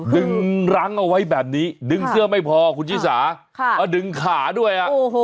รั้งเอาไว้แบบนี้ดึงเสื้อไม่พอคุณชิสามาดึงขาด้วย